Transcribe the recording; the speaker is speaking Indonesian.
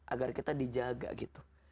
agar kita dijaga gitu